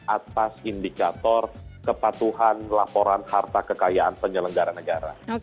atas indikator kepatuhan laporan harta kekayaan penyelenggara negara